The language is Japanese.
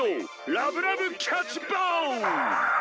ラブラブキャッチボール！